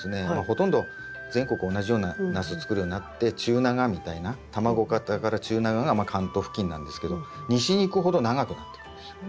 ほとんど全国同じようなナス作るようになって中長みたいな卵形から中長がまあ関東付近なんですけど西に行くほど長くなっていくんですよ。